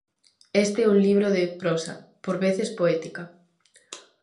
Este é un libro de prosa, por veces poética.